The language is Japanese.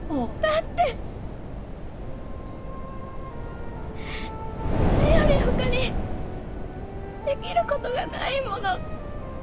だってそれよりほかにできる事がないもの。